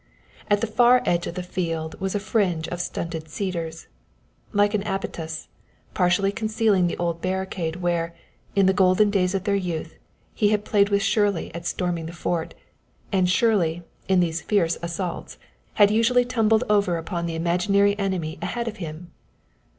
At the far edge of the field was a fringe of stunted cedars, like an abatis, partly concealing the old barricade where, in the golden days of their youth, he had played with Shirley at storming the fort; and Shirley, in these fierce assaults, had usually tumbled over upon the imaginary enemy ahead of him!